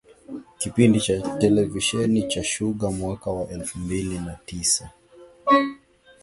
kipindi cha televisheni cha Shuga mwaka wa alfu mbili na tisa